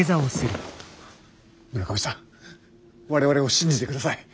村上さん我々を信じて下さい。